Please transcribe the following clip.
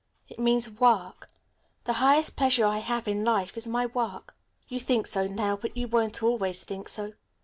It means work. The highest pleasure I have in life is my work." "You think so now, but you won't always think so.